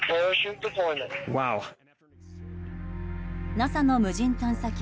ＮＡＳＡの無人探査機